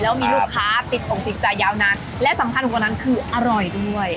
แล้วมีลูกค้าติดอกติดใจยาวนานและสำคัญกว่านั้นคืออร่อยด้วย